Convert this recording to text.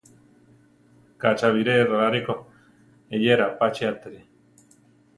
Ka cha biré raláre ko; eyéra apachátire.